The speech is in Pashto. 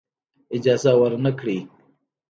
اجازه ورنه کړی.